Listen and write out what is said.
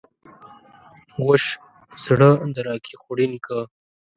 وش ﺯړه د راکي خوړين که